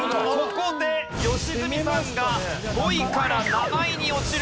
ここで良純さんが５位から７位に落ちる。